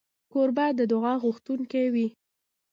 کوربه د دعا غوښتونکی وي.